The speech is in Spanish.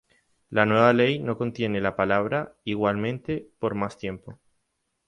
La nueva Ley no contiene la palabra "igualmente" por más tiempo.